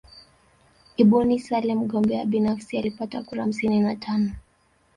Ibuni Saleh mgombea binafsi alipata kura hamsini na tano